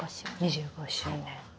２５周年。